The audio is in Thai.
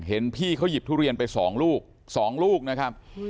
เห็นพี่เขาหยิบทุเรียนไป๒ลูก๒ลูกนะครับ